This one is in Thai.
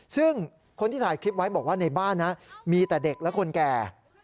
ซึ่งคนที่ถ่ายคลิปไว้บอกว่าในบ้านนะมีแต่เด็กและคนแก่